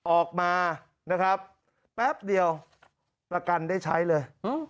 ออกมานะครับแป๊บเดียวประกันได้ใช้เลย